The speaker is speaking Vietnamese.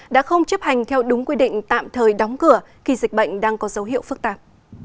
đã không chấp hành theo đúng quy định tạm thời đóng cửa khi dịch bệnh đang có dấu hiệu phức tạp